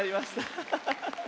ハハハハ。